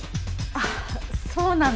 あっそうなんだ。